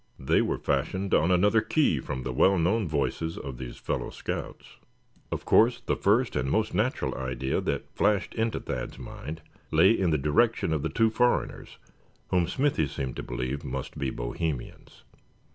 They were fashioned on another key from the well known voices of these fellow scouts. Of course, the first and most natural idea that flashed into Thad's mind lay in the direction of the two foreigners, whom Smithy seemed to believe must be Bohemians.